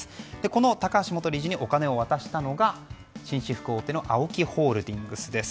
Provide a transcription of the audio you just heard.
高橋元理事にお金を渡したのが紳士服大手のＡＯＫＩホールディングスです。